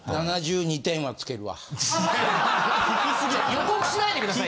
予告しないで下さい。